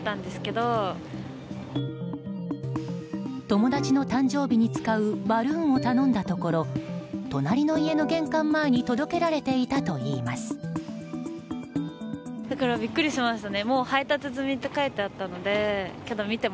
友達の誕生日に使うバルーンを頼んだところ隣の家の玄関前に届けられていたといいます。